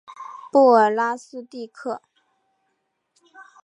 布尔拉斯蒂克。